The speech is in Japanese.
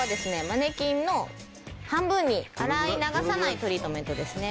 マネキンの半分に洗い流さないトリートメントですね